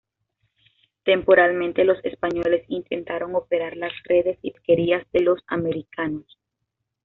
Temporalmente los españoles intentaron operar las redes y pesquerías de los americanos.